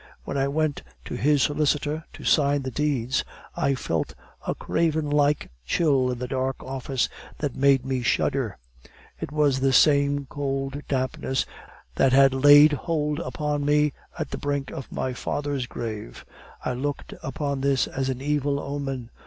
When I went to his solicitor to sign the deeds, I felt a cavern like chill in the dark office that made me shudder; it was the same cold dampness that had laid hold upon me at the brink of my father's grave. I looked upon this as an evil omen.